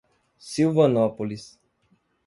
Silvanópolis